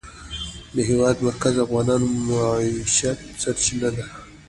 د هېواد مرکز د افغانانو د معیشت سرچینه ده.